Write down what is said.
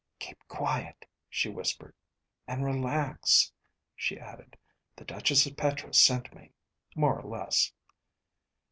"Keep quiet," she whispered. "And relax," she added. "The Duchess of Petra sent me. More or less."